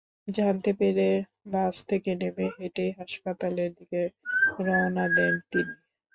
জানতে পেরে বাস থেকে নেমে হেঁটেই হাসপাতালের দিকে রওনা দেন তিনি।